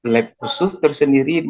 lab khusus tersendiri